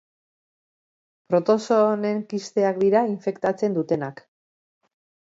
Protozoo honen kisteak dira infektatzen dutenak.